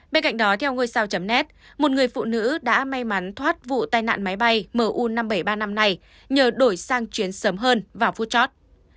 bên cạnh đó theo ngôi sao net một người phụ nữ đã may mắn thoát vụ tai nạn máy bay miu năm nghìn bảy trăm ba mươi năm này nhờ đổi sang chuyến sớm hơn vào phút chót